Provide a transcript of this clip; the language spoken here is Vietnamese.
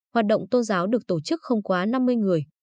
hoạt động tôn giáo được tổ chức không quá năm mươi người